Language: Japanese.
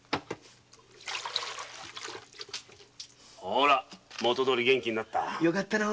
ほら元どおり元気になったぞ。